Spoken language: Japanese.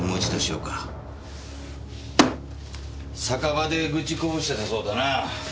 酒場で愚痴こぼしてたそうだな。